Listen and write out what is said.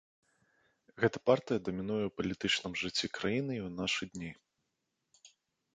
Гэтая партыя дамінуе ў палітычным жыцці краіны і ў нашы дні.